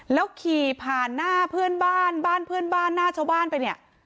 แล้วขี่ผ่านหน้าเพื่อนบ้านบ้านเพื่อนบ้านหน้าชาวบ้านไปเนี่ย